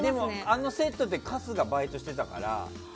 あのセットで春日、バイトしていたから。